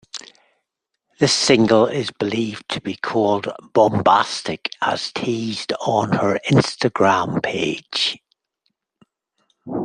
This single is believed to be called "Bombastic" as teased on her Instagram page.